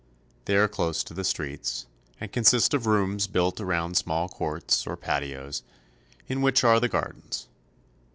They are close to the streets, and consist of rooms built around small courts, or patios, in which are the gardens.